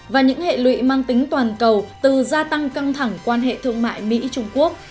và những hệ lụy mang tính toàn cầu từ gia tăng căng thẳng quan hệ thương mại mỹ trung quốc